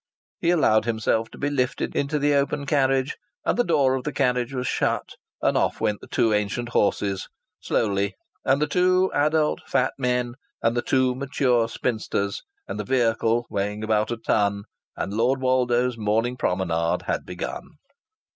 He allowed himself to be lifted into the open carriage, and the door of the carriage was shut; and off went the two ancient horses, slowly, and the two adult fat men and the two mature spinsters, and the vehicle weighing about a ton; and Lord Woldo's morning promenade had begun.